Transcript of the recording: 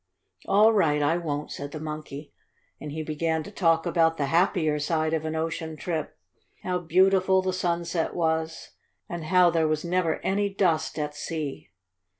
"All right, I won't," said the Monkey. And he began to talk about the happier side of an ocean trip; how beautiful the sunset was, and how there was never any dust at sea.